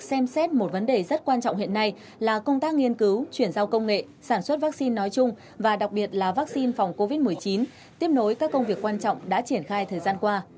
xem xét một vấn đề rất quan trọng hiện nay là công tác nghiên cứu chuyển giao công nghệ sản xuất vaccine nói chung và đặc biệt là vaccine phòng covid một mươi chín tiếp nối các công việc quan trọng đã triển khai thời gian qua